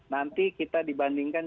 nah nanti kita dibandingkan